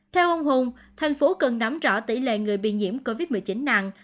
theo ông hùng thành phố cần nắm rõ tỷ lệ người bị nhiễm covid một mươi chín nặng